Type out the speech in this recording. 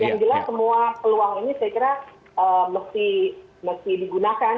yang jelas semua peluang ini saya kira mesti digunakan